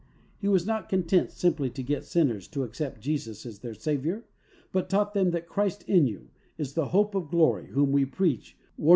He was not content simply to get sinners to accept Jesus as their Saviour, but taught them that "Christ in you is the hope of glory, whom we preach, warn ZEAL.